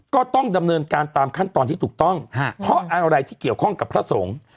ก็ต้องดำเนินการตามขั้นตอนที่ถูกต้องเพราะอะไรที่เกี่ยวข้องกับพระสงฆ์